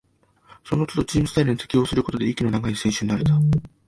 そのつどチームスタイルに適応することで、息の長い選手になれた